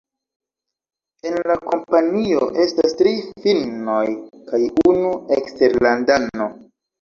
En la kompanio estas tri finnoj kaj unu eksterlandano.